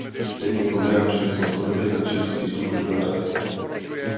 Denní program přenesl z budovy na čerstvý vzduch do zahrady.